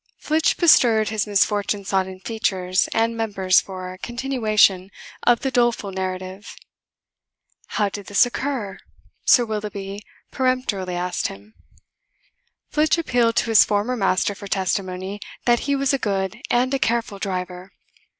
Flitch bestirred his misfortune sodden features and members for a continuation of the doleful narrative. "How did this occur?" Sir Willoughby peremptorily asked him. Flitch appealed to his former master for testimony that he was a good and a careful driver.